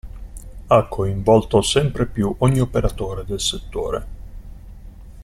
Ha coinvolto sempre più ogni operatore del settore.